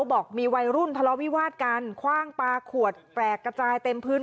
บอกมีวัยรุ่นทะเลาวิวาดกันคว่างปลาขวดแปลกกระจายเต็มพื้น